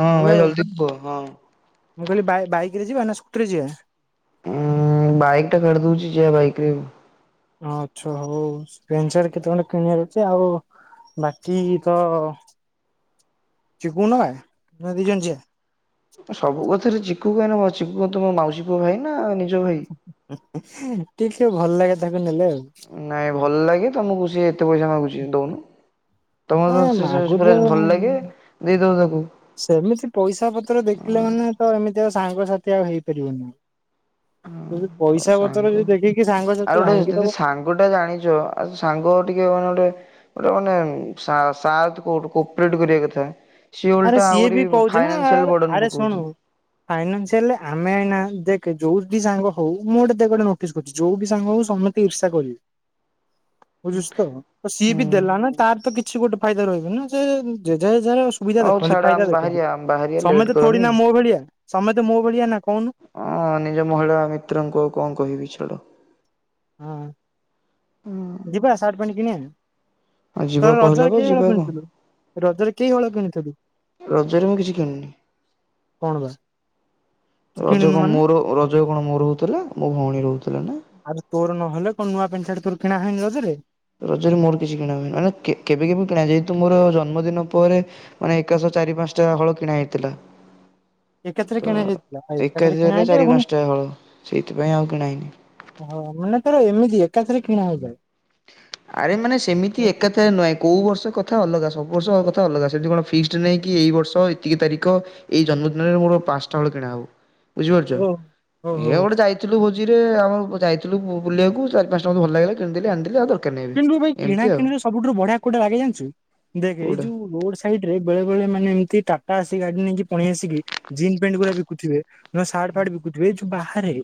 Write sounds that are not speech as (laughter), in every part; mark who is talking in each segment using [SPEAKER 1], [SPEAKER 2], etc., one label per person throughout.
[SPEAKER 1] ହଁ
[SPEAKER 2] ହ୍ୟାଲୋ
[SPEAKER 1] ଭାଇ ଜଲଦି କୁହ। ହଁ।
[SPEAKER 2] ମୁଁ କହିଲି ବାଇ, ବାଇକରେ ଯିବା ନା ସ୍କୁଟି ରେ ଯିବା।
[SPEAKER 1] ଉଁ ବାଇକ୍ ଟା କଡିଦଉଛି ଯିବା ବାଇକ ରେ।
[SPEAKER 2] ହଁ ଅଛୁ ହଉ ପେଣ୍ଟସାର୍ଟ କେତେ ଗଣ୍ଡେ କିଣିବାର ଅଛି ଆଉ ବାକି ତ ଯିବୁ ନାଁ ନା ଦି ଜଣ ଯିବା।
[SPEAKER 1] ସବୁ କଥାରେ ଚିକୁୁ ଏଇନେ ବ ଚିକୁ ମତେମୋ ମାଉସୀ ପୁଅ ଭାଇ ନା ନିଜ ଭାଇ।
[SPEAKER 2] ଟିକେ ଭଲ ଲାଗେ ତାକୁ ନେଲେ ଆଉ।
[SPEAKER 1] ନାଇଁ ଭଲ ଲାଗେ ତମକୁ ସିଏ ଏତେ ପଇସା ମାଗୁଛି ଦଉନୁ।
[SPEAKER 2] ଏ
[SPEAKER 1] ତମର ତ ସେ
[SPEAKER 2] ମାଗୁଛ
[SPEAKER 1] ପୁରା ଭଲ ଲାଗେ ଦେଇଦବ ତାକୁ।
[SPEAKER 2] ସେମିତି ପଇସା ପତ୍ର ଦେଖିଲେ। ମାନେ ତ ଏମିତି ଆଉ ସାଙ୍ଗସାଥି ଆଉ ହେଇପାରିବନି।
[SPEAKER 1] ଆଉ
[SPEAKER 2] ପଇସା ପତର
[SPEAKER 1] ସାଙ୍ଗ।
[SPEAKER 2] ଯି ଦେଖିକି
[SPEAKER 1] ଆଉ
[SPEAKER 2] ସାଙ୍ଗସାଥି ଭାଙ୍ଗୀ ଦବ।
[SPEAKER 1] ଗୋଟେ ଜାଣିଚ ଆଉ ସାଙ୍ଗ ଟିକେ ମାନେ ଗୋଟେ ଗୋଟେ ମାନେ ସା ସାଥ୍ କଉଠୁ କୋପେଟ କରିବା କଥା। ସିଏ
[SPEAKER 2] ଆରେ
[SPEAKER 1] ଓଲଟା
[SPEAKER 2] ସିଏ
[SPEAKER 1] ଆହୁରି
[SPEAKER 2] ବି
[SPEAKER 1] ଫାଇନାସିଆଲ ବର୍ଡନ ପକଉଚି।
[SPEAKER 2] ଫାଇନାସିଆଲରେ ଆମେ ଏଇନା ଦେଖେ ଯୋଉଠି ସାଙ୍ଗ ହଉ ମୁଁ ଗୋଟେ ଦେ ଗୋଟେ କରୁଛି ଯୋଉ ବି ସାଙ୍ଗ ହଉ ସମସ୍ତେ ଇର୍ଷା କରିବେ। ବୁଝୁଛ ତ ସିଏ
[SPEAKER 1] ହୁଁ।
[SPEAKER 2] ବି ଦେଲା ନା ତାର ତ କିଛି ଗୋଟେ ଫାଇଦା ରହିବ ନା ସୋ ଯେଝା ଯେଝାର ସୁବିଧା
[SPEAKER 1] ହଉ
[SPEAKER 2] ଦେଖନ୍ତି
[SPEAKER 1] ଛାଡ ଆମେ
[SPEAKER 2] ଫାଇଦା ଦେଖନ୍ତି
[SPEAKER 1] ବାହାରିବା ଆମେ ବାହାରିବା
[SPEAKER 2] ସମତେ
[SPEAKER 1] ଲେଟ୍
[SPEAKER 2] ତ ଥୋଡି
[SPEAKER 1] କରନି।
[SPEAKER 2] ନା ମୋ ଭଳିଆ ସମତେ ତ ମୋ ଭଳିଆ ନା କହୁନୁ।
[SPEAKER 1] ହଁ ନିଜ ମହିଳା ମିତ୍ରଙ୍କୁ ଆଉ କଣ କହିବି ଛାଡ।
[SPEAKER 2] ହଁ ଯିବା ଶାର୍ଟ ପ୍ୟାଣ୍ଟ କିଣିବା
[SPEAKER 1] ଆଉ ଯିବା
[SPEAKER 2] ତୋର
[SPEAKER 1] କହିଲା
[SPEAKER 2] ରଜରେ
[SPEAKER 1] ବା
[SPEAKER 2] କେହି ହଳ
[SPEAKER 1] ଯିବା କଣ
[SPEAKER 2] କିଣିଥିଲୁ ରଜରେ କେହି ହେଳ କିଣିଥିଲୁ?
[SPEAKER 1] ରଜରେ ମୁ କିଛି କିଣିନି।
[SPEAKER 2] କଣ ବା ତୁ
[SPEAKER 1] ରଜ
[SPEAKER 2] କିଣିନୁ
[SPEAKER 1] କଣ
[SPEAKER 2] ମାନେ?
[SPEAKER 1] ମୋର ରଜ କଣ ମୋର ରହୁଥିଲା ମୋ ଭଉଣୀ ରହୁଥିଲା ନା
[SPEAKER 2] ଆଉ ତୋର ନହେଲେ କଣ ନୂଆ ପ୍ୟାଣ୍ଟ ସାର୍ଟ ତୋର କିଣା ହେଇନ ରଜରେ
[SPEAKER 1] ରଜରେ ମୋର କିଛି କିଣା ହୁଏନି ମାନ କେବେ କେବେ କିଣା ଯେହେତୁ ମୋର ଜନ୍ମଦିନ ପରେ ମାନେ ଏକାଶହ ଚାରି ପାଞ୍ଚ ଟା ହଳ କିଣା ହେଇଥିଲା।
[SPEAKER 2] ଏକଥରେ
[SPEAKER 1] ତ
[SPEAKER 2] କିଣା ଯାଇଥିଲା ଏକଥରେ କିଣା
[SPEAKER 1] ଏକାଥରେ
[SPEAKER 2] ହେଇଛି
[SPEAKER 1] ଚାରି
[SPEAKER 2] ପୁଣି
[SPEAKER 1] ପାଞ୍ଚଟା ହଳ ସେଇଥିପାଇଁ ଆଉ କିଣା ହେଇନି।
[SPEAKER 2] ହଁ ମାନେ ତର ଏମିତି ଏକାଥରେ କିଣା ହେଇଯାଏ
[SPEAKER 1] ଆରେ ମାନେ ସେମିତି ଏକଥାରେ ନୁହଁ କେଉଁ ବର୍ଷ କଥା ଅଲଗା ସବୁ ବର୍ଷ କଥା ଅଲଗା ସେମିତି କଣ ଫିକ୍ସଡ ନେଇହିଁ କି ଏଇ ବର୍ଷ ଏତିକି ତାରିଖ ଏଇ ଜନ୍ମଦିନରେ ମୋର ପାଞ୍ଚଟା ହେଳ କିଣା ହଉ ବୁଝିପାରୁଛ
[SPEAKER 2] ଓହୋ ଓହୋ
[SPEAKER 1] ଏଇ ଗୋଟେ ଯାଇ ଥିଲୁ ଭୋଜିରେମ ଯାଇଥିଲୁ ବୁଲିବାକୁାରି ପାଞ୍ଚ ଟଙ୍କା ଭଲ ଲାଗିଲ କିଣିଦେ ଆଣିିଲ ଆଉର
[SPEAKER 2] କିନ୍ତୁ ଏଇ କିଣା କିିଣିରେ ସବୁଠୁ ବଢିଆ କୋଟେ ଲଗି ଜାଣିଛୁ ଦେଖ ଏଇ
[SPEAKER 1] କୋଉଟା
[SPEAKER 2] ଯୋଉ ରୋଡ ସାଇଡ ରେ ବେଳେ ବଳେ ମାନେ ଏମିତି ଟାଟା ଆସ ଗାଡି ନେଇକି ପଣି ଆସିକି ଜିନ୍ ପଣ୍ଟ ଗୁଡା ବିକୁଥିବେ ନୂଆ ସାାର୍ଢ ଫାଡ ବିକୁଥିବ ଏ ଯୋଉ ବାହାରେ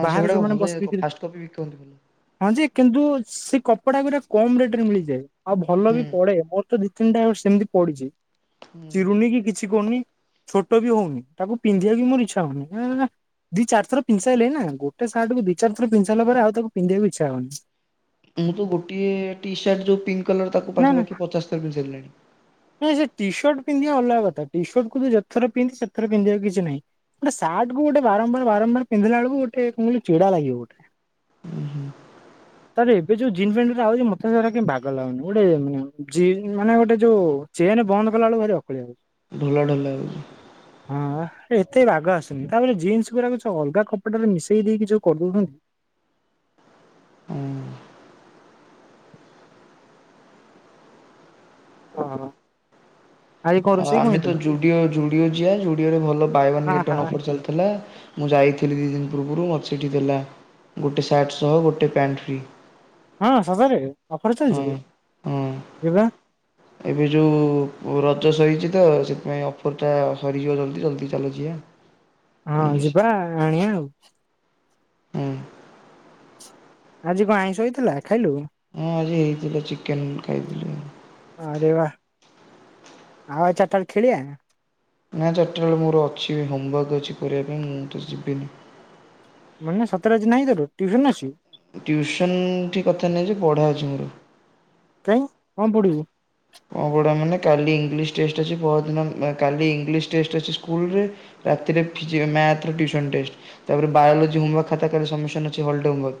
[SPEAKER 1] ହଁ
[SPEAKER 2] ବାହାରେ
[SPEAKER 1] ସେଗୁଡା
[SPEAKER 2] ଯୋଉମାନେ
[SPEAKER 1] ଭଲ
[SPEAKER 2] ବସି ବିକ୍ରି
[SPEAKER 1] ଫାଷ୍ଟ କପି ବିିକନ୍ତି ଭଲ
[SPEAKER 2] ହଁ ଯେ କିନ୍ତୁ ସେ କପଡା ଗଟେ କମ ରେଟ ରେ ମିଳିଯାଏ ଆଉ ଭଲ ବି
[SPEAKER 1] ହୁଁ
[SPEAKER 2] ପଡେ ମୋର ତ ଦି ତିନିଟା ସେମିତି ପଡିଛି
[SPEAKER 1] ହୁଁ।
[SPEAKER 2] ଚିରୁନି କି କିଛି କରୁନି ଛୋଟ ବି ହଉନି ତାକୁ ପିନ୍ଧିବାକୁ ମୋର ଇଚ୍ଛା ହଉନି ଦି ଚାର ଥ ପିସାଇଲେ ନା ଗଟ ସଟକୁ ଦୁି ଚ ଥ ପିାଇଲା ପରେ ଆ ତାକୁିଧିବାକୁ ଇ୍ଛ ହଉନି
[SPEAKER 1] ମୁଁ ତ ଗୋଟିଏ ଟି ସାର୍ଟ ଯୋଉ ପିଙ୍କ୍ କଲର ତାକୁ
[SPEAKER 2] ନା ନା।
[SPEAKER 1] ପାଖାଖି ପଚାଶ ତର ପିନ୍ଧି ସାରିଲାଣି
[SPEAKER 2] ନାଇଁ ସେ ଟିସର୍ଟ ପିନ୍ଧିବା ଅଲଗା କଥା ଟି ସର୍ଟ କୁୁ ଯେଥର ପିଧି ସେଥର ପିନ୍ଧିବାକୁ କିଛି ନାହିଁ ଗୋଟେ ସାର୍ଟ କୁ ଗୋଟେ ବାରମ୍ବାର ବାରମ୍ବାର ପିନ୍ଧିଲା ବେଳକୁ ଗୋଟେ କଣ ଚିଡା ଲାଗିବ ଗୋଟେ। ତାର ଏବେ ଯୋଉ ଜିନ୍ ପଣ୍ଟ ଆଉଛି ମତୋ ବାାଗ ଲାଗନି ଗୋଟେ ମାନେ ମାନେ ଗୋଟେ ଯୋଉ। ଚେନ ବନ୍ଦ କଲା ବେଳକୁ ଭାର ଅକଳିଆ ହୋଉଛି।
[SPEAKER 1] ଢୋଲା ଢୋଲା ହେଉ।
[SPEAKER 2] । ହଁ ଏତେ ବାଗ ଆସୁନି ତାପରେ ଜିନ୍ସ ଗୁାଡାକ ଯୋଉ ଅଲଗା କପଡ଼ାଟାରେ ମିଶେଇ ଦେଇକି ଯୋଉ କରିଦଉଛନ୍ତି।
[SPEAKER 1] ହଁ।
[SPEAKER 2] ଓ ହ।
[SPEAKER 1] ଆଉ ଆମେ ଜୁଡିଓ ଜୁଡିଓ ଯିଆ ଜୁଡିଓରେ ଭଲ ବାଇ ଗେଟ୍
[SPEAKER 2] ଆ ହା
[SPEAKER 1] ୱାନ ଅଫର ଚାଲିଥିଲା। ମୁଁ ଯାଇଥିଲି ଦୁଇ ଦିନ ପୂର୍ବରୁ ମୋତେ ସେଇଠି ଦେଲା ଗୋଟେ ସାର୍ଟ ସହ ଗୋଟେ ପ୍ୟାଣ୍ଟ ଫ୍ରି।
[SPEAKER 2] ହଁ ସତରେ ଅଫର ଚାଲିଛି କି
[SPEAKER 1] ହଁ ହଁ।
[SPEAKER 2] ଯିବା।
[SPEAKER 1] ଏବେ ଯେଉ ରଜ ସହିଛି ତ ସେଥିପାଇଁ ଅଫର ଟା ସରିଯିବ ଜଲ୍ଦି ଜଲ୍ଦି ଚାଲ ଯିଆ।
[SPEAKER 2] ହଁ ଯିବା ଆଣିବା ଆଉ।
[SPEAKER 1] ହୁଁ।
[SPEAKER 2] ଆଜି କଣ ଆଇଁଷ ହେଇଥିଲା ଖାଇଲୁ।
[SPEAKER 1] ହଁ ଆଜି ହେଇଥିଲା ଚିକେନ ଖାଇଥିଲି।
[SPEAKER 2] ଅରେ ବା ଆଉ ଆଛା ତାଲେ ଖେଳିଆ।
[SPEAKER 1] ନା ଚାରିଟା ବେଳେ ମୋର ଅଛି ହୋମୱାର୍କ ଅଛି କରିବା ପାଇଁ ମୁଁ ତ ଯିବିନି।
[SPEAKER 2] ମାନେ ନା ସାତରେ ଆଜି ନାଇଁ ତର ଟିୁସନ ଆସିବୁ।
[SPEAKER 1] ଟିଉସନ ଠି କଥା ନାହିଁ ଯେ ପଢ଼ା ଅଛି ମୋର।
[SPEAKER 2] କାଇଁ କଣ ପଡ଼ିବୁ।
[SPEAKER 1] କଣ ପଢ଼ିବି ମାନେ କାଲି ଇଂଲିଶ ଟେଷ୍ଟ ଅଛି ପହରଦିନ କାଲି ଇଂଲିଶ ଟେଷ୍ଟ ଅଛି ସ୍କୁଲରେ। ରାତିରେ ଫି ମ୍ୟାଥ ଟିଉସନ ଟେଷ୍ଟ। ତାପରେ ବୋଓଲଜୀ ହୋମୱାକ ଖାତା ସମ୍ମିଶନ ହୋଲ୍ଡମ୍ୱର।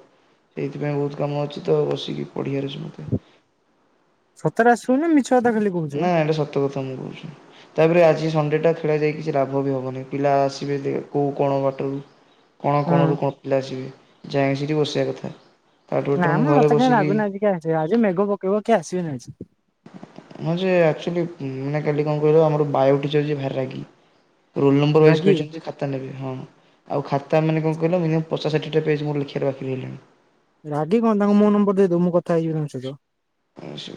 [SPEAKER 1] ସେଇଥିପାଇଁ ବହୁତ କାମ ଅଛି ତ ବସିକି ପଢ଼ିିବାର ଅଛି ମୋତେ।
[SPEAKER 2] ସତରେ ଆସିବୁନ ମିଛ କଥା ଖାଲି କୋ
[SPEAKER 1] ନାଁ ଏଇଟା ସତ କଥା ମୁଁ କହୁଛି। ତାପରେ ଆଜି ସଣ୍ଡେଟା ଖେଳାଯାଇ କିଛି ଲାଭ ବି ହେବନି। ପିଲା ଆସିବେ କୋଉ କଣ ବାଟରୁ।
[SPEAKER 2] ।
[SPEAKER 1] କଣ କଣରୁ କଣ ପିଲା ଆସିବେ ଯାଇକି ସେଠି ବସିବା କଥା,
[SPEAKER 2] ନା
[SPEAKER 1] ତାଠୁଟରେ
[SPEAKER 2] ମ
[SPEAKER 1] ମୁଁ ଘରେ
[SPEAKER 2] ମତେ କାଇଁ
[SPEAKER 1] ବସିକି
[SPEAKER 2] ଲାଗୁନି ଆଜି କିଏ ଆଜି ଆଜି ମେଘ ପକେଇବ କିଆଉ ଆସିବେନି ଆଜି।
[SPEAKER 1] ହଁ ଯେ ଆକଚୁଆଲି ମାନେ କାଲି କଣ କହିଲ ଆମର ବାୟ ଟିଚର ଯିଆ ଭାରି ରାଗି। ରୋଲ୍ନମ୍ବରୱାଇସ
[SPEAKER 2] ରାଗି
[SPEAKER 1] କହିଛନ୍ତି ଯେ ଖାତା ନେବେ ହଁ ଆଉ ଖାତା ମାନ କଣ କିଲ ମିନିମମ୍ ପଚାଶ ଷାଠିଏ ଟା ପେଚ୍ ମୋର ଲେଖିବାକୁ ବାକି ରଇଲାଣି।
[SPEAKER 2] ରାଗି କଣ ତାଙ୍କୁ ମୋ ନମ୍ବର ଦେଇଦବୁ ମୁଁ କଥା ହେଇଯିବି ତାଙ୍କ ସହିତ।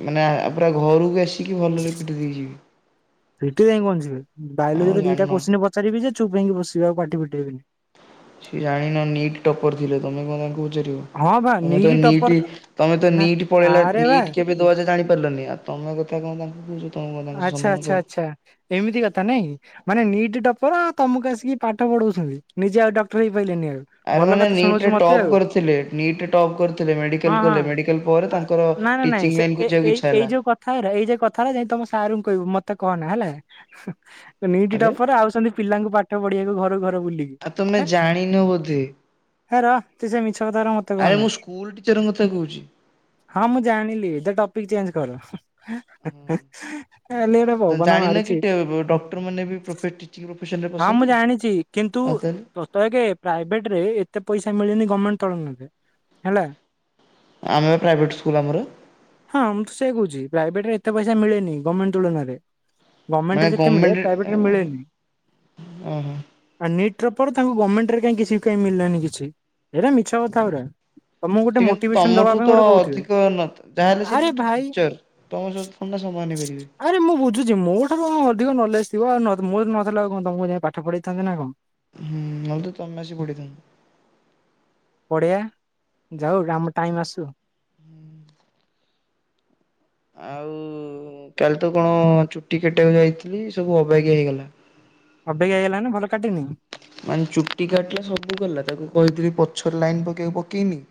[SPEAKER 1] ମାନେ ପୁରା ଘରକୁ ଆସିକି ଭଲରେ ପିଟି ଦେଇଯିବି।
[SPEAKER 2] ପିଟି ଦେଇକି କଣ ଯିବେ
[SPEAKER 1] ଆଉ
[SPEAKER 2] ବୟଲୋଜି ର ଦିଟା
[SPEAKER 1] ଜାଣିନ।
[SPEAKER 2] କୋ୍ଚ ପାଚାରିବେ ଯେ ଚୁପ ପାଇଁକି ବସିବ ଆଉଟି ପିଟେଇବନି।
[SPEAKER 1] ସିଏ ଜାଣିନ ନିଟ୍ ଟପର ଥିଲେ ତମେ କ‌ଣ ତାଙ୍କୁ ପଚାରିବ।
[SPEAKER 2] ହଁ ବା
[SPEAKER 1] ତମେ ତ ନିଟ୍
[SPEAKER 2] ଟପର
[SPEAKER 1] ତମେ ତ
[SPEAKER 2] ନା
[SPEAKER 1] ନିଟ୍ ପଳେଇଲା
[SPEAKER 2] ଆରେ ବା
[SPEAKER 1] ନିଟ୍ କେ କେବେ ଦେବୁ ଜାଣି ପାରିଲନି ତମ କଥା କଣ ତାଙ୍କୁ କହୁ
[SPEAKER 2] ଆଚ୍ଛା ଆଚ୍ଛା ଆଚ୍ଛା ଏମିତି କଥା ନାଇଁ। ମାନେ ନିଟ୍ ଟପର ତମକୁ ଆସିକି ପାଠ ପଢଉଛନ୍ତି ନିଜେ ଆଉ ଡକ୍ଟର ହେଇ ପାଇଲେନି ଆଉ।
[SPEAKER 1] ଆରେ
[SPEAKER 2] ଭଲ
[SPEAKER 1] ମାନେ
[SPEAKER 2] କଥା ଶୁଣଉଛୁ
[SPEAKER 1] ନିଟ
[SPEAKER 2] ମତେ
[SPEAKER 1] ଟପ୍
[SPEAKER 2] ଆଉ
[SPEAKER 1] କରିଥିଲେ ନିଟ ଟପ୍ କରିଥିଲେ
[SPEAKER 2] ହଁ
[SPEAKER 1] ମେଡିକାଲ
[SPEAKER 2] ହଁ
[SPEAKER 1] କଲେ ମେଡିକାଲ ପରେ
[SPEAKER 2] ହଁ,
[SPEAKER 1] ତା ଙ୍କର
[SPEAKER 2] ନାଇଁ ନାଇଁ ନାଇଁ
[SPEAKER 1] ଟିଚିଂ
[SPEAKER 2] ସେ
[SPEAKER 1] ଲାଇନ କୁ
[SPEAKER 2] ଏ
[SPEAKER 1] ଯିବାକୁ
[SPEAKER 2] ଏଇ
[SPEAKER 1] ଇଚ୍ଛା ହେଲା।
[SPEAKER 2] ଏଇ ଯ କଥା ହେ ଯାଇ ତମ ସାର୍ ଙ୍କୁ କହିବୁ ମତେ କହନା ହେଲା ନିଟି
[SPEAKER 1] ଆରେ
[SPEAKER 2] ଟପର ଆଉଛନ୍ତି ପିଲାଙ୍କୁ ପାଠ ପଢ଼ିବାକୁ ଘରୁ ଘର ବୁଲି
[SPEAKER 1] ଆଉ ତମେ ଜାଣିିନ ବୋଧେ।
[SPEAKER 2] ହେ ର ତ ସେ ମିଛ କଥା ମତେ
[SPEAKER 1] ଆରେ
[SPEAKER 2] କହନା
[SPEAKER 1] ମୁଁ ସ୍କୁଲ ଟିଚରଙ୍କ କଥା କହୁଛି।
[SPEAKER 2] ହଁ ମୁଁ ଜାଣିଲି ଦେ ଟପିକ ଚେଞ୍ଜ କର। ହେଲି ଗୋଟେ ପବନା ମାରୁଛି।
[SPEAKER 1] ଡ (inaudible) ମାନ ବି ପ୍ରଫେଟ ପ୍ରଫସ (inaudible)
[SPEAKER 2] ହଁ ମୁଁ ଜାଣିଛି କିନ୍ତୁ ତ ତ ଏକ ପ୍ରାଇଭେଟ ରେ ଏତେ ପଇସା ମିଳିନି ଗଭର୍ଣ୍ଣମେଣ୍ଟ ତଳରୁ ନେବେ ହେଲା।
[SPEAKER 1] ଆମେ ପ୍ରାଇଭେଟ୍ ସ୍କୁଲ୍ ଆମର।
[SPEAKER 2] ହଁ ମୁଁ ତ ସେଇ କହୁଛି ପ୍ରାଇଭେଟ ରେ ଏତେ ପଇସା ମିଳେନି ଗଭମେଣ୍ଟ ତୁଳନାରେ।
[SPEAKER 1] ମାନେ
[SPEAKER 2] ଗଭର୍ଣ୍ଣମେଣ୍ଟ ରେ ଯେତେ ମିଳେ ପ୍ରାଇଭେଟ ରେ
[SPEAKER 1] ଗଭର୍ଣ୍ଣମେଣ୍ଟ
[SPEAKER 2] ମିଳେନି।
[SPEAKER 1] ଓହୋ।
[SPEAKER 2] ଆଉ ନିଟ ଟପରେ ତାଙ୍କୁ ଗଭର୍ଣ୍ଣମେଣ୍ଟ ରେ କିଛି କାଇଁ ମିଳିଲାନି କିଛି ଏଗୁରା ମିଛ କଥା ଗୁରା। ତମକୁ ଗୋଟେ
[SPEAKER 1] ସେ କିନ୍ତୁ
[SPEAKER 2] ମୋଟିଭେସନ ଦବା
[SPEAKER 1] ତମଠୁ
[SPEAKER 2] ପାଇଁ
[SPEAKER 1] ତ
[SPEAKER 2] ଗୋଟେ କହୁଥିବେ
[SPEAKER 1] ଅଧିକ ନଥା ଯାହାହେଲେ
[SPEAKER 2] ଆରେ
[SPEAKER 1] ସେଟା
[SPEAKER 2] ଭାଇ
[SPEAKER 1] ଟିଚର ତମ ସହିତ ସମାନ ହେଇପାରିବେନି।
[SPEAKER 2] ଆରେ ମୁଁ ବୁଝୁଛି ମୋ ଠାରୁ କଣ ଅଧିକ ନଲେଜ ଥିବ ମୋର ତ ନଥିଲା ଆଉ କଣ ତମକୁ ଯାଇ ପାଠ ପଢେଇଥାନ୍ତି ନା କଣ।
[SPEAKER 1] ହୁଁ, ନହେଲେ ତମେ ଆସି ପଢିଥାନ୍ତ।
[SPEAKER 2] ପଢେଇଆ ଯାଉ ଆମର ଟାଇମ୍ ଆସୁ।
[SPEAKER 1] ଆଉ କାଲି ତ କଣ ଚୁଟି କାଟିଆକୁ ଯାଇଥିଲି ସବୁ ଅବାଗିଆ ହେଇଗଲା।
[SPEAKER 2] ଅବାଗିଆ ହେଇଗଲା ମାନେ ଭଲ କାଟିନୁ?
[SPEAKER 1] ମାନେ ଚୁଟି କାଟିଲା ସବୁ କଲା ତାକୁ କହିଥିଲି ପଛର ଲାଇନ ପକେଇକୁ ପକେଇନି।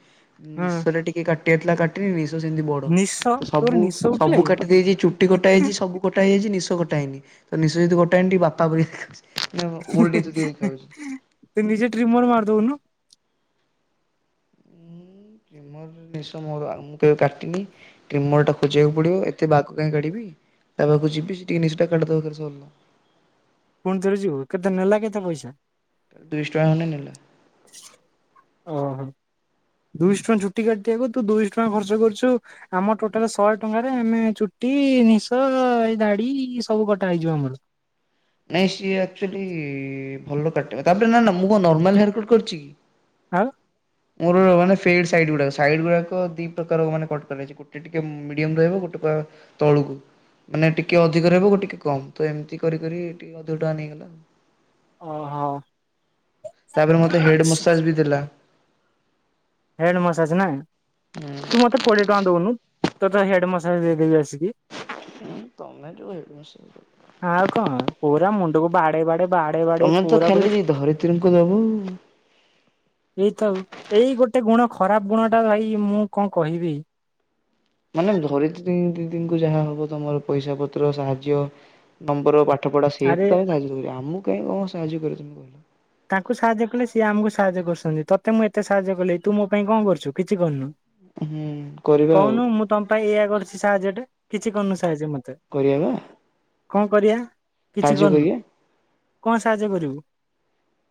[SPEAKER 2] ହୁଁ।
[SPEAKER 1] ନିଶରେ ଟିକେ କାଟି କାଟିଆଥିଲା କାଟିନି ନିଶ ସେମିତି ବଡ।
[SPEAKER 2] ନିଶ ତୋର
[SPEAKER 1] ସବୁ
[SPEAKER 2] ନିଶ ଉଠିଲା
[SPEAKER 1] ସବୁ
[SPEAKER 2] କି?
[SPEAKER 1] କାଟି ଦେଇେଛି ଚୁଟି କଟା ହେଇଛି। ସବୁ ମୋଟା ହେଇଯାଇଛି ନିଶ କଟା ହେଇନି। ତ ନିଶ ଯଦି କଟା ହେଇନି ବାପା ଭଳି ଦେଖା ଓଲ୍ଡ ଯାଉଛି।
[SPEAKER 2] ତୁ ନିଜେ ଟ୍ରିମର୍ ମାରିଦଉନୁ।
[SPEAKER 1] ମୁଁ ମୋର ନିଶ ମୋର ମୁଁ କେବେ କାଟିିନି। ଟ୍ରିମର ଟା ଖୋଜିବାକୁ ପଡିବ ଏତେ ବାଘ କାଇଁ କାଢିବି ତା ପାଖକୁ ଯିବି ସେ ଟିକେ ନିଶ କାଟିଦବ ଖାଲି ସଇଲା।
[SPEAKER 2] ପୁଣି ଥରେ ଯିବୁ? କେତେ ନେଲା କେତେ ପଇସା?
[SPEAKER 1] ଦୁଇଶହ ଟଙ୍କା ଖଣ୍ଡେ ନେଲା।
[SPEAKER 2] ଓହୋ। ଦୁଇଶହ ଟଙ୍କା ଚୁଟି କାଟିଆକୁ ତୁ ଦୁଇଶହ ଟଙ୍କା ଖର୍ଚ୍ଚ କରିଚୁ। ଆମ ଟୋଟାଲ ଶହେ ଟଙ୍କାରେ ଆମେ ଚୁଟି, ନିଶ, ଏଇ ଦାଡି ସବୁ କଟା ହେଇଯିବ ଆମର।
[SPEAKER 1] ନାଇଁ ସିଏ ଆକ୍ଚୁଆଲି ଭଲ କାଟିବ। ତାପରେ ନା ନା ମୁଁ କଣ ନର୍ମାଲ ହେୟାର କଟ କରିଛି କି?
[SPEAKER 2] ଆଉ?
[SPEAKER 1] ମୋର ମାନେ ଫେଡ୍ ସାଇଡ୍ ଗୁଡା, ସାଇଡ୍ ଗୁଡା ଦି ପ୍ରକାର କଟ କରାଯାଇଚି। ଚୁଟି ଟିକେ ମିଡିୟମ ରହିବ ଗୋଟେ ପ୍ରକାର ତଳୁକୁ। ମାନେ ଟିକେ ଅଧିକ ରହିବ ଟିକେ କମ, ତ ଏମିତି କରିି କରି ଟିକେ ଅଧିକ ଟଙ୍କା ନେଇଗଲା।
[SPEAKER 2] ଓହୋ।
[SPEAKER 1] ତାପରେ ମତେ ହେଡ ମସାଜ ବି ଦେଲା।
[SPEAKER 2] ହେଡ଼୍ ମସାଜ ନା?
[SPEAKER 1] ହୁଁ।
[SPEAKER 2] ତୁ ମତେ କୋଡିଏ ଟଙ୍କା ଦଉନୁ ତତେ ହେଡ ମସାଜ ଦେଇଦବି ଆସିକି।
[SPEAKER 1] ତମେ ଯୋଉ ହେଡ ମଶାଜ
[SPEAKER 2] ଆଉ କଣ ପୁରା ମୁଣ୍ଡକୁ ବାଡେଇ, ବାଡେ ବାଡେଇ, ବାଡେଇ ପୁରା ପୁରି
[SPEAKER 1] କାଲି ଧରିତ୍ରୀଙ୍କୁ ଦବୁ। ହୁଁ।
[SPEAKER 2] ଏଇ ତ ଏଇ ଗୋଟେ ଗୁଣ ଖରାପ ଗୁଣ ଟା ଭାଇ ମୁଁ କଣ କହିବି।
[SPEAKER 1] ମାନେ ଧରିତ୍ରୀ ଦିଦିଙ୍କୁ ଯାହା ହବ ତମର ପଇସା ପତ୍ର ସାହାଯ୍ୟ ନମ୍ବର ପାଠ ପାଠ ପଢା ସେଇ
[SPEAKER 2] ଆରେ
[SPEAKER 1] ତ ତମକୁ ସାହାଯ୍ୟ କରିବେ। ଆମ କାହିଁ କଣ ସାହାଯ୍ୟ କରିବେ।
[SPEAKER 2] ତାଙ୍କୁ ସାହାଯ୍ୟ କଲେ ସିଏ ଆମକୁ ସାହାଯ୍ୟ କରୁଛନ୍ତି। ତତେ ମୁଁ ଏତେ ସାହାଯ୍ୟ କଲି ତୁ ମୋ ପାଇଁ କଣ କରୁଛୁ କିଛି କରିନୁ?
[SPEAKER 1] ହୁଁ କରିବା ଆଉ।
[SPEAKER 2] ତମ ପାଇଁ ଇଆ କରଛି ସାହାଯ୍ୟ ଟେ କିଛି କରନୁ ସାହାଯ୍ୟ ମତେ।
[SPEAKER 1] କରିବା ବା।
[SPEAKER 2] କଣ କରିବା କିଛି
[SPEAKER 1] ସାହାଯ୍ୟ
[SPEAKER 2] କରୁନୁ
[SPEAKER 1] କରିବା
[SPEAKER 2] କଣ ସାହାଯ୍ୟ କରିବୁ?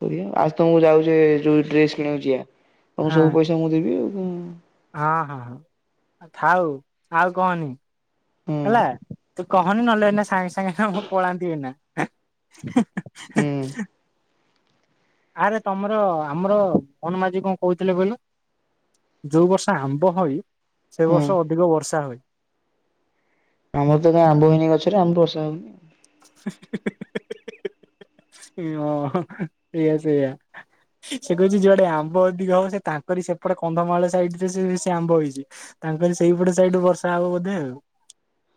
[SPEAKER 1] କରିଆ। ଆସ ତମକୁ ଯାଉଛ ଯୋଉ ଡ୍ରେସ କିଣିଆକୁ ଯିବା ତମକୁ
[SPEAKER 2] ହଁ
[SPEAKER 1] ସବୁ ପଇସା ମୁଁ ଦେବି ଆଉ।
[SPEAKER 2] ହଁ, ହଁ, ହଁ ଥାଉ ଆଉ କହନି
[SPEAKER 1] ହୁଁ
[SPEAKER 2] ହେଲା। ତୁ କହନି ନହେଲେ ଏଇନା ସାଙ୍ଗେ ସାଙ୍ଗେ ମୁଁ ପଳାନ୍ତି ଏଇନା।
[SPEAKER 1] ହୁଁ
[SPEAKER 2] ଆରେ ତମର ଆମର ମୋହନ ମାଝୀ କଣ କହୁଥିଲେ କହିଲୁ? ଯୋଉ ବର୍ଷ ଆମ୍ବ ହୁଏ ସେ
[SPEAKER 1] ହଁ
[SPEAKER 2] ବର୍ଷ ଅଧିକ ବର୍ଷା ହୁଏ।
[SPEAKER 1] ଆମର ତ କାଇଁ ଆମ୍ବ ହଇନି ଗଛରେ। ଆମ ବର୍ଷା ହଉନି।
[SPEAKER 2] (unintelligible) ଇ ଅ ହଁ ସେଆ ସେଆ। ସେ କହୁଛି ଯୁଆଡେ ଆମ୍ବ ଅଧିକ ହବ ସେ ତାଙ୍କରି ସେପଟେ କନ୍ଧମାଳ ସାଇଟ ରେ ସେ ସେ ଆମ୍ବ ହେଇଛି ତାଙ୍କରି ସେଇପଟେ ସାଇଟ ରେ ବର୍ଷା ହବ ବୋଧେ ଆଉ।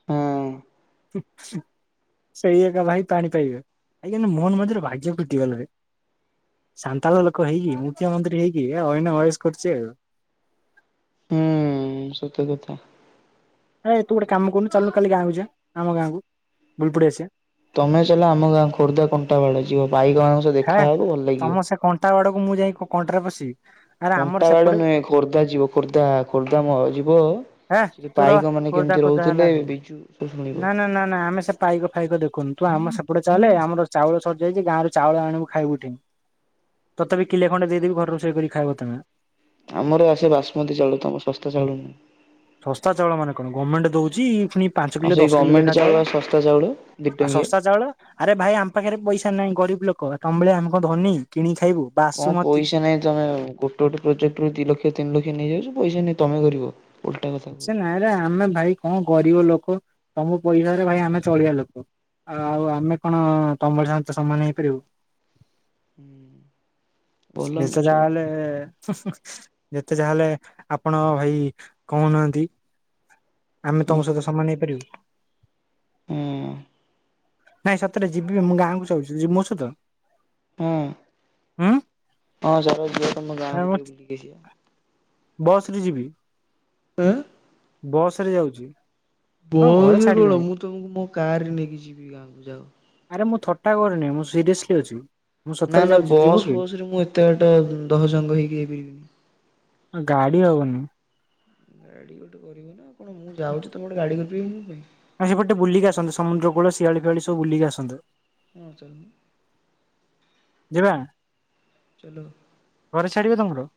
[SPEAKER 1] ହଁ
[SPEAKER 2] ସେଇ ଏକା ଭାଇ ପାଣି ପାଇବେ ଏଇ କିନ୍ତୁ ମୋହନ ମଝି ଭାଗ୍ୟ ଫିଟି ଗଲା ରେ। ସାନ୍ତାଳ ଲୋକ ହେଇକି ମୁଖ୍ୟମନ୍ତ୍ରୀ ହେଇକି ଅଇନା ଅଏସ କରୁଛି ଆଉ।
[SPEAKER 1] ହୁଁ ସତ କଥା।
[SPEAKER 2] ଆ ଇ ତୁ ଗୋଟେ କାମ କରୁନୁ ଚାଲୁନୁ କାଲି ଗାଁକୁ ଯିବା ଆମ ଗାଁକୁ ବୁଲିପଡ଼ି ଆସିବା।
[SPEAKER 1] ତମେ ଚାଲ ଆମ ଗାଁ କୁ ଖୋର୍ଦ୍ଧା କଣ୍ଟାମାଳ ଯିବ ଭାଇକଙ୍କ ସହ
[SPEAKER 2] ହେ
[SPEAKER 1] ଦେଖାହେବ ଭଲ
[SPEAKER 2] ତମ
[SPEAKER 1] ଲାଗିବ।
[SPEAKER 2] ସେ କଣ୍ଟା ବାଡ଼କୁ ମୁଁ ଯାଇ କଣ୍ଟାରେ ପଶିବି। ଆରେ ଆମର
[SPEAKER 1] କଣ୍ଟାବାଡ଼
[SPEAKER 2] ସେପଟେ
[SPEAKER 1] ନୁହେଁ ଖୋର୍ଦ୍ଧା ଯିବ ଖୋର୍ଦ୍ଧା ଖୋର୍ଦ୍ଧା ମ ଯିବ
[SPEAKER 2] ହେ
[SPEAKER 1] ସେଠି
[SPEAKER 2] ତୁ ରହ
[SPEAKER 1] ପାଇକ ମାନେ
[SPEAKER 2] ଖୋଦା
[SPEAKER 1] କେମିତି
[SPEAKER 2] ଖୋଦା ହେଲା
[SPEAKER 1] ରହୁଚନ୍ତି
[SPEAKER 2] ଖାଲି।
[SPEAKER 1] ବିଜୁ ସ
[SPEAKER 2] ନା
[SPEAKER 1] ଶୁଣିବ।
[SPEAKER 2] ନା ନା ନା ଆମେ ସେ ପାଇକ ଫାଇକ ଦେଖନି ତୁ ଆମ ସେପଟ ଚାଲେ ଆମର ଚାଉଳ ସରିଯାଇଛି ଗାଁରେ ଚାଉଳ ଆଣିବୁ ଖାଇବୁଠି ତତେବି କିଲେ ଖଣ୍ଡେ ଦେଇଦେବି ଘରେ ରୋଷେଇ କରି ଖାଇବ ତମେ।
[SPEAKER 1] ଆମର ଆସେ ବାସମତି ଚାଉଳ ତମ ଶସ୍ତା ଚାଉଳ ନୁହେଁ।
[SPEAKER 2] ଶସ୍ତା ଚାଉଳ ମାନେ କଣ ଗମେଣ୍ଟ ଦଉଚି ଫୁଣି ପାଞ୍ଚ
[SPEAKER 1] ଆଉ
[SPEAKER 2] କିଲୋ
[SPEAKER 1] ସେଇ
[SPEAKER 2] ଦଶ କିଲୋ
[SPEAKER 1] ଗଭର୍ଣ୍ଣମେଣ୍ଟ
[SPEAKER 2] ଲେଖା ଚାଉଳ
[SPEAKER 1] ଶସ୍ତା ଚାଉଳ ଦି
[SPEAKER 2] ଆ
[SPEAKER 1] ଟଙ୍କିଆ।
[SPEAKER 2] ଶସ୍ତା ଚାଉଳ ଆରେ ଭାଇ ଆମ ପାଖରେ ପଇସା ନାହିଁ ଗରିବି ଲୋକ ତମ ଭଳିଆ ଆମେ କଣ ଧନୀ। କିଣିକି ଖାଇବୁ।
[SPEAKER 1] କଣ
[SPEAKER 2] ବାସୁମତୀ।
[SPEAKER 1] ପଇସା ନାଇଁ ତମେ ଗୋ ଟେ ଗୋଟେ ପ୍ରୋଜେକ୍ଟ ରୁ ଦିଇ ଲକ୍ଷ ତିନି ଲକ୍ଷ ନେଇଯାଉଛ ପଇସା ନାହିଁ ତମେ ଗରିବ।
[SPEAKER 2] ସେ ନାଁରେ ଆମେ ଭାଇ କଣ ଗରିବ ଲୋକ ତମ ପଇସାରେ ଭାଇ ଆମେ ଚଳିବା ଲୋକ। ଆଉ ଆମେ କଣ ତମ ଭଳିଆଙ୍କ ସହ ସମାନ ହେଇପାରିବୁ।
[SPEAKER 1] (inaudible) ଭଲ
[SPEAKER 2] ଯେତେ
[SPEAKER 1] ମିଛ
[SPEAKER 2] ଯାହା
[SPEAKER 1] କଥା
[SPEAKER 2] ହେଲେ ହୁଁ ହୁଁ ଯେତେ ଯାହା ହେଲେ ଆପଣ ଭାଇ କହୁନାହାନ୍ତି। ଆମେ
[SPEAKER 1] ହଁ
[SPEAKER 2] ତମ ସହିତ ସମାନ ହେଇପାରିବୁ।
[SPEAKER 1] ଉଁ
[SPEAKER 2] ନାଇଁ ସତରେ ଯିବି ମୁଁ ଗାଁ କୁ ସ ଯିବ ମୁଁ ସତ।
[SPEAKER 1] ହୁଁ ହଁ ଚାଲ ଯିବା ତମ ଗାଁକୁୁ
[SPEAKER 2] ଆଉ
[SPEAKER 1] ଟିକେ ବୁଲିକିଆସିବା।
[SPEAKER 2] ବସ ରେ ଯିବି।
[SPEAKER 1] ଏଁ
[SPEAKER 2] ବସ ରେ ଯାଉଚି।
[SPEAKER 1] ବସ୍ ରେ କଣ ମୁଁ ତମକୁ ମୋ କାର ରେ ନେଇକି ଯିବି ଗାଁକୁ ଯାଅ।
[SPEAKER 2] ଆରେ ମୁଁ ଥଟା କରୁନି ମୁଁ ସିରିଏସଲି ଅଛି। ମୁଁ
[SPEAKER 1] ନା
[SPEAKER 2] ସତରେ
[SPEAKER 1] ନା
[SPEAKER 2] ଯାଉଛି ଯିବୁ
[SPEAKER 1] ବସ୍
[SPEAKER 2] କି?
[SPEAKER 1] ଫସ ରେ ମୁଁ ଏତେ ବାଟ ଦହଜଙ୍ଗ ହେଇକି ଯାଇପାରିବିନି।
[SPEAKER 2] ଗାଡି ହବନି ମ।
[SPEAKER 1] ମୁଁ ଯାଉଛି ତମେ ଗୋଟେ ଗାଡ଼ି କରିପିବନି ମୋ ପାଇଁ।
[SPEAKER 2] ଆ ସେପଟେ ବୁିଲିକି ଆସନ୍ତେ ସମୁଦ୍ର କୂଳ ଶିଆଳି ଫିଆଳି ସବୁ ବୁଲିକି ଆସନ୍ତେ।
[SPEAKER 1] ହଁ ଚାଲୁନୁ।
[SPEAKER 2] ଯିବା?
[SPEAKER 1] ଚାଲୋ।
[SPEAKER 2] ଘରେ ଛାଡ଼ିବେ ତମର?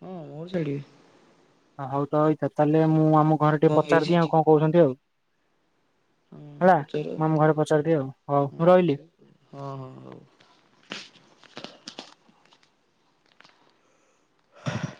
[SPEAKER 1] ହଁ ମୋର ଛଡିବେ।
[SPEAKER 2] ହଉ ତ ରହିଥା ତାହେଲେ ମୁଁ ଆମ
[SPEAKER 1] ମୁଁ
[SPEAKER 2] ଘରେ ଟିକେ
[SPEAKER 1] କଣ ହେଇଛି
[SPEAKER 2] ପଚାରିଦିଏ ଆଉ କଣ
[SPEAKER 1] ଚିକୁ
[SPEAKER 2] କହୁଛନ୍ତି ଆଉ।
[SPEAKER 1] ହଁ
[SPEAKER 2] ହେଲା
[SPEAKER 1] ପଚାର
[SPEAKER 2] ମୁଁ ଆମ ଘରେ ପଚରିଦିଏ ଆଉ ହଉ
[SPEAKER 1] ହଁ
[SPEAKER 2] ମୁଁ ରହିଲି।
[SPEAKER 1] ପଚାର ହଁ ହଁ ହଉ।